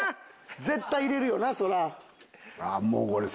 絶対入れるよなそれは。